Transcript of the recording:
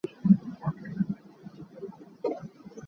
My current thoughts on coefficient alpha and successor procedures.